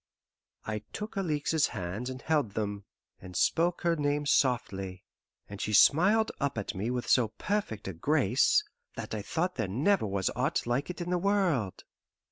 I took Alixe's hands and held them, and spoke her name softly, and she smiled up at me with so perfect a grace that I thought there never was aught like it in the world.